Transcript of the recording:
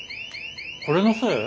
これのせい？